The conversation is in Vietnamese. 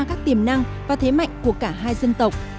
các tiềm năng và thế mạnh của cả hai dân tộc